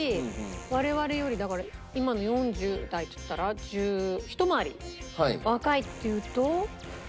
我々よりだから今の４０代っていったら１０ひと回り若いっていうと。